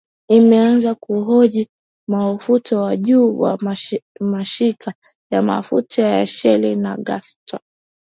imeanza kuwahoji maofisa wa juu wa mashika ya mafuta ya shell na hagton